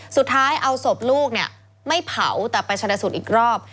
สุดท้ายเอาศพลูกเนี่ยไม่เผาแต่ไปชนะสูตรอีกรอบ